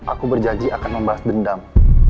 aku berjanji akan membahas dendam